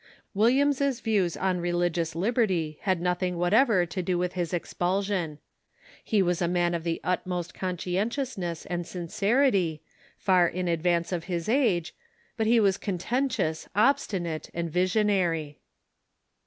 Williams's views on re ligious libci'ty had nothing whatever to do with his expulsion. He was a man of the utmost conscientiousness and sincerity, 468 THE CHUECII IN THE UNITED STATES far in advance of his age, but be was contentious, obstinate, and visionary.